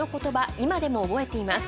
今でも覚えています。